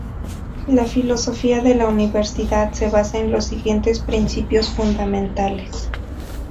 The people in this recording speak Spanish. La filosofía de la Universidad se basa en los siguientes principios fundamentales.